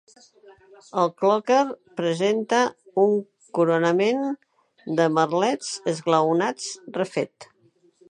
El cloquer presenta un coronament de merlets esglaonats refet.